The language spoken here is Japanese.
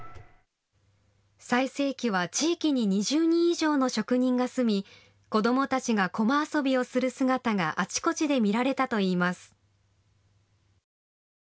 最盛期は地域に２０人以上の職人が住み、子どもたちがこま遊びをする姿があちこちで見られたといいます。